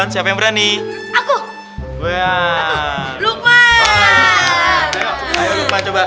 siapa yang mau coba